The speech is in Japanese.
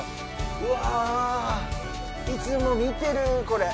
うわぁ、いつも見てる、これ！